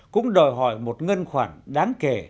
cũng đòi hỏi một ngân khoản đáng kể